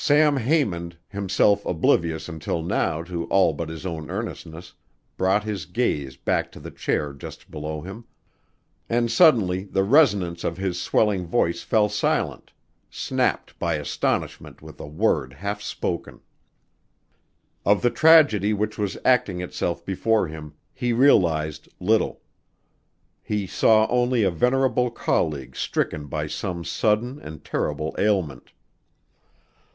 Sam Haymond, himself oblivious until now to all but his own earnestness, brought his gaze back to the chair just below him and suddenly the resonance of his swelling voice fell silent snapped by astonishment with a word half spoken. Of the tragedy which was acting itself before him he realized little. He saw only a venerable colleague stricken by some sudden and terrible ailment.